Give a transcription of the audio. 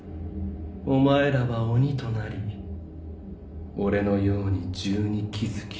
お前らは鬼となり俺のように十二鬼月。